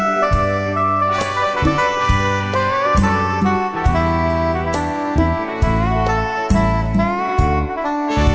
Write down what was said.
ขอโชคดีค่ะ